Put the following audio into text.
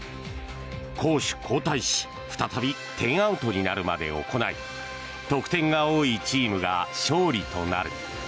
攻守交代し再び１０アウトになるまで行い得点が多いチームが勝利となる。